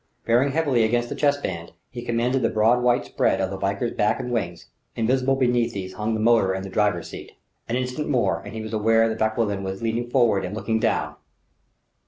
Bearing heavily against the chest band, he commanded the broad white spread of the Valkyr's back and wings. Invisible beneath these hung the motor and driver's seat. An instant more, and he was aware that Vauquelin was leaning forward and looking down.